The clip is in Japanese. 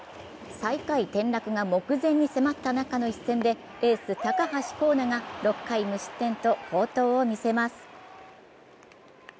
最下位転落が目前に迫った中の一戦でエース・高橋光成が６回無失点と好投を見せます。